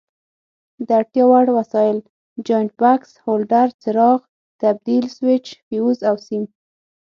د اړتیا وړ وسایل: جاینټ بکس، هولډر، څراغ، تبدیل سویچ، فیوز او سیم.